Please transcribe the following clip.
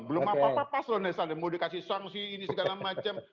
belum apa apa paslon mau dikasih sanksi ini segala macam